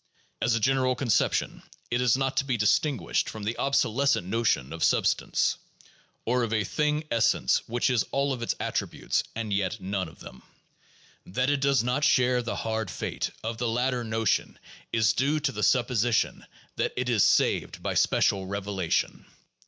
As a general conception it is not to be distinguished from the obsolescent notion of substance, or of a thing essence which is all of its attributes, and yet none of them. That it does not share the hard fate of the latter notion is due to the supposition that it is saved by special revelation.